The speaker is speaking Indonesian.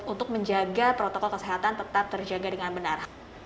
untuk menjaga protokol kesehatan tetap terjaga dengan benar